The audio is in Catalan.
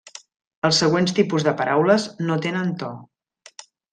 Els següents tipus de paraules no tenen to.